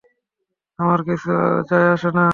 আমার কিচ্ছু যায় আসে না।